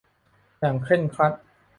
อย่างเคร่งครัด